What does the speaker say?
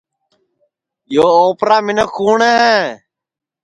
یو اوپرا منکھ کُوٹؔ ہے